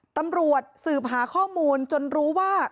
ตำรวจสืบหาข้อมูลจนรู้ว่า